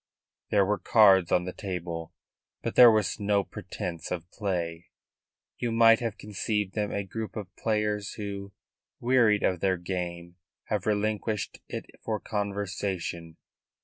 There were cards on the table; but there was no pretence of play. You might have conceived them a group of players who, wearied of their game, had relinquished it for conversation.